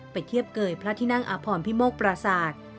ไปเทียบเกยพระที่นั่งอาภรมพิมโฆปราศาสตร์